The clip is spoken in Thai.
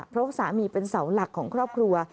เพราะสามีเป็นเสาหลักของครอบครัว